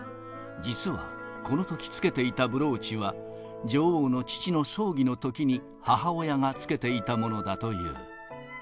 実はこのときつけていたブローチは、女王の父の葬儀のときに母親がつけていたものだという。